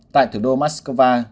tại thủ đô moscow